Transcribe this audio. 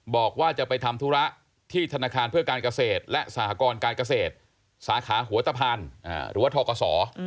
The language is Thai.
บอกว่าจะไปทำธุระที่ธนาคารเพื่อการเกษตรและสหกรการเกษตรสาขาหัวตะพานหรือว่าทกศ